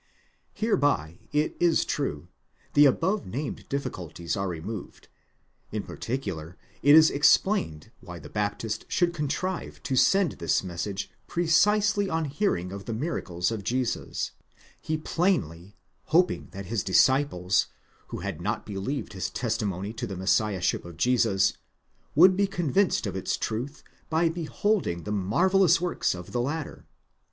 Hereby it is true, the above named difficulties are removed ; in particular it is explained why the Baptist should contrive to send this message precisely on hearing of the miracles of Jesus; he plainly hoping that his Gisciples, who had not believed his testimony to the Messiahship of Jesus, would be convinced of its truth by beholding the marvellous works of the latter.